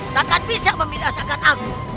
takkan bisa memilasakan aku